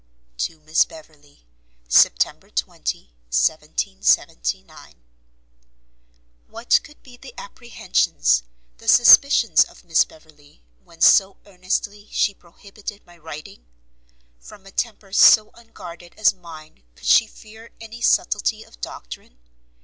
To Miss Beverley. September 20, 1779. What could be the apprehensions, the suspicions of Miss Beverley when so earnestly she prohibited my writing? From a temper so unguarded as mine could she fear any subtlety of doctrine?